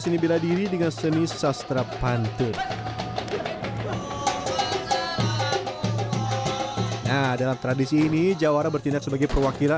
seni bela diri dengan seni sastra pantun nah dalam tradisi ini jawara bertindak sebagai perwakilan